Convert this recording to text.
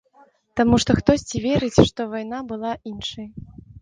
Таму што хтосьці верыць, што вайна была іншай.